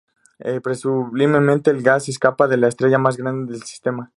Presumiblemente el gas escapa de la estrella más grande del sistema.